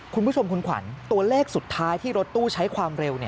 คุณผู้ชมคุณขวัญตัวเลขสุดท้ายที่รถตู้ใช้ความเร็ว